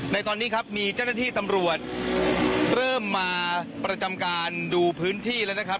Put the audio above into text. ในตอนนี้ครับมีเจ้าหน้าที่ตำรวจเริ่มมาประจำการดูพื้นที่แล้วนะครับ